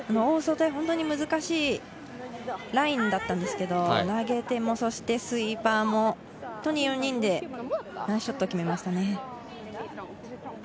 大外で本当に難しいラインだったんですけれど、投げても、そしてスイーパーも本当に４人でナイスショットを決めましたね。